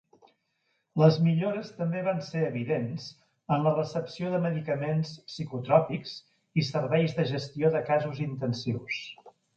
Les millores també van ser evidents en la recepció de medicaments psicotròpics i serveis de gestió de casos intensius.